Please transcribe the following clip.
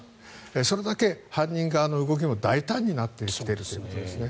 それだけ犯人側の動きも大胆になってきているということですね。